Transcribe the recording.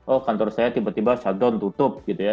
oh kantor saya tiba tiba shutdown tutup gitu ya